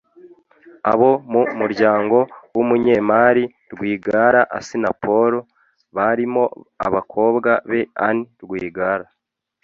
Abo mu muryango w’umunyemari Rwigara Assinapol barimo abakobwa be Anne Rwigara